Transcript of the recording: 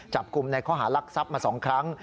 จับกลุ่มในข้อหารักทรัพย์มา๒ครั้ง